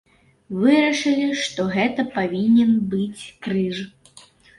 Вырашылі, што гэта павінен быць крыж.